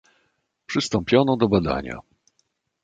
"Przystąpiono do badania."